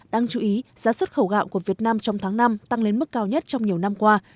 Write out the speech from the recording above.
đáng chú ý giá xuất khẩu gạo của việt nam trong tháng năm tăng lên mức cao nhất trong nhiều năm qua